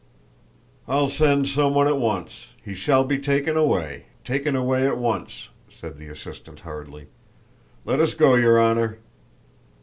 "I'll send someone at once. He shall be taken away—taken away at once," said the assistant hurriedly. "Let us go, your honor."